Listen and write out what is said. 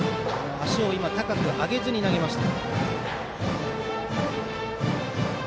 足を高く上げずに投げました。